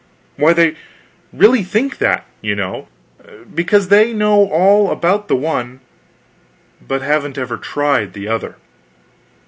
Why, they really think that, you know, because they know all about the one, but haven't tried the other.